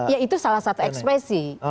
ya itu salah satu ekspresi